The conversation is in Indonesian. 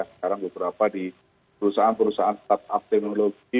sekarang beberapa di perusahaan perusahaan startup teknologi